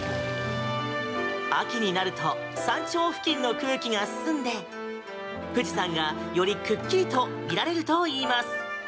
秋になると山頂付近の空気が澄んで富士山が、よりくっきりと見られるといいます。